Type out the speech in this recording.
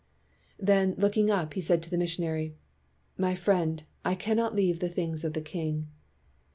Then, looking up, he said to the mission ary, "My friend, I cannot leave the things of the king."